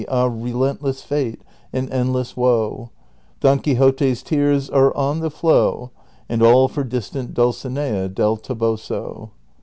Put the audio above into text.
a Relentless fate, an endless woe ; Don Quixote's tears are on the flow, And all for distant Dulcinea Del Toboso.